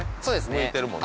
向いてるもんね